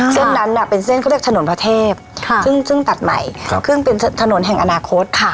เส้นนั้นเป็นเส้นเขาเรียกถนนพระเทพซึ่งตัดใหม่ซึ่งเป็นถนนแห่งอนาคตค่ะ